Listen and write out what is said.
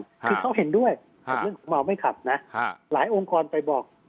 คือเขาเห็นด้วยกับเรื่องของเมาไม่ขับนะหลายองค์กรไปบอก